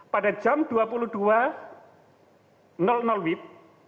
pada jam dua puluh dua wib